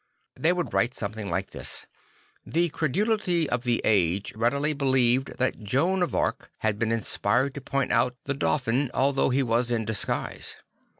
They would write something like this: II The credulity of the age readily believed that Joan of Arc had been inspired to point out the Dauphin Miracles and Death 157 although he was in disguise."